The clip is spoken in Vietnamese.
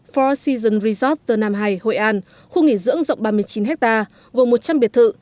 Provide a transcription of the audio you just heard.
four seasons resort the nam hai hội an khu nghỉ dưỡng rộng ba mươi chín ha vùng một trăm linh biệt thự